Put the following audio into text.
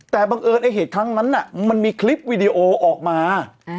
แต่บังเอิญไอ้เหตุครั้งนั้นมันมีคลิปวิดีโอออกมา